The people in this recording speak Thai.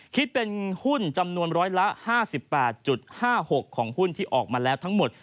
คิดเป็นหุ้นจำนวนร้อยละ๕๘๕๖ของหุ้นที่ออกมาแล้วทั้งหมด